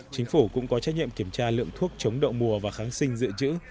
chính phủ cũng có trách nhiệm kiểm tra lượng thuốc chống đậu mùa và kháng sinh dự trữ